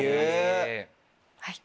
はい。